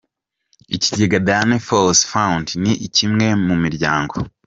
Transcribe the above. Ikigega Dian Fossey Fund ni kimwe mu miryango.